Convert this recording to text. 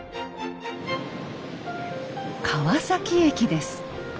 川崎駅です。